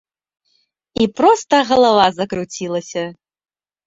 І проста галава закруцілася!